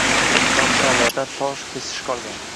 Kitob konlaridan tosh kesish qolgan.